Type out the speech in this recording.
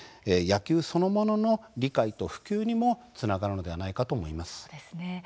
野球そのものの理解と普及にもつながるのではないかと思います。